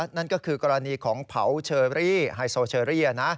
นั่นก็คือกรณีของเผาเชอรี่ไฮโซเชอรี่